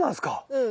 うん。